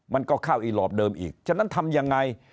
มันก็เข้าอีหลอปเดิมอีกฉะนั้นทำยังไง